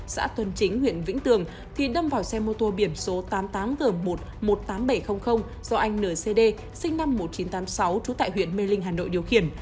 xã tuân chính huyện vĩnh tường thì đâm vào xe mô tô biển số tám mươi tám g một một mươi tám nghìn bảy trăm linh do anh ncd sinh năm một nghìn chín trăm tám mươi sáu trú tại huyện mê linh hà nội điều khiển